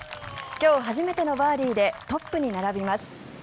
今日初めてのバーディーでトップに並びます。